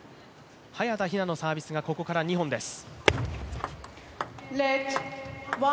早田ひなのサービスがここから２本です。